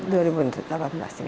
di tahun dua ribu delapan belas